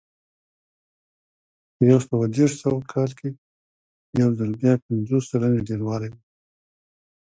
په یو سوه دېرش سوه کال کې یو ځل بیا پنځوس سلنې ډېروالی و